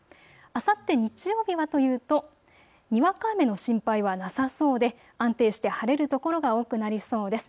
あさって日曜日はというとにわか雨の心配はなさそうで安定して晴れる所が多くなりそうです。